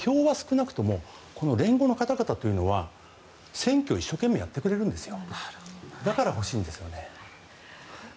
連合の方々というのは選挙を一生懸命やってくれるんですよ。